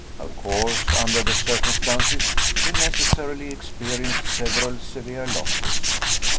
Of course, under the circumstances, we necessarily experienced several severe losses.